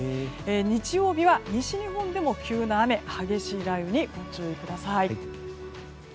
日曜日は西日本でも急な雨、激しい雷雨にご注意ください。